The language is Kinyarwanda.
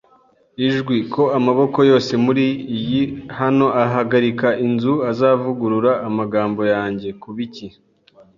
ijwi - “ko amaboko yose muriyi hano ahagarika inzu azavugurura amagambo yanjye, kubiki